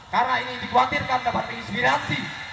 karena ini dikhawatirkan dapat menginspirasi